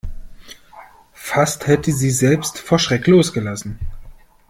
Fast hätte sie selbst vor Schreck losgelassen.